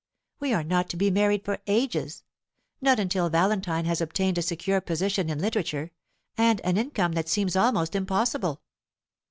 We are not to be married for ages not until Valentine has obtained a secure position in literature, and an income that seems almost impossible.